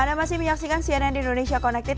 anda masih menyaksikan cnn indonesia connected